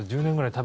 １０年！